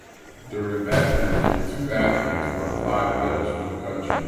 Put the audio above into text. During that period two athletes won five medals for the country.